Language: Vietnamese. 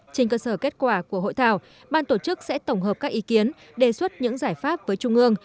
trên cơ sở kết quả của hội thảo ban tổ chức sẽ tổng hợp các ý kiến đề xuất những giải pháp với trung ương